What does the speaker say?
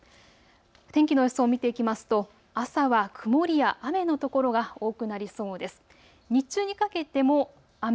天気の予想を見ていきますと朝は曇りや雨の所が多くなりそうです。